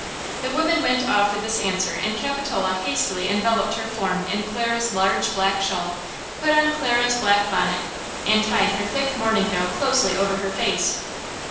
The woman went, off with this answer, and Capitola hastily enveloped her form in Clara's large, black shawl, put on Clara's black bonnet and tied her thick mourning veil closely over her face.